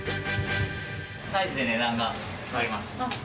サイズで値段が変わります。